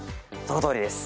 そのとおりです。